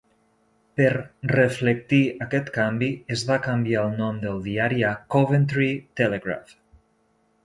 Per reflectir aquest canvi, es va canviar el nom del diari a "Coventry Telegraph".